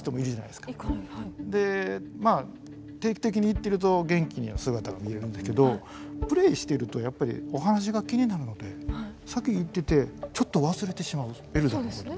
定期的に行ってると元気な姿が見えるんだけどプレイしてるとやっぱりお話が気になるので先行っててちょっと忘れてしまうんですよ